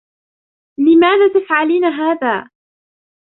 لماذا تفعلين هذا ؟